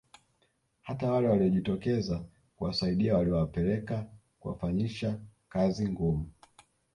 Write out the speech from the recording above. Hata wale waliojitokeza kuwasaidia waliwapeleka kuwafanyisha kazi ngumu